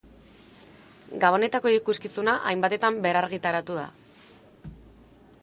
Gabonetako ikuskizuna hainbatetan berrargitaratu da.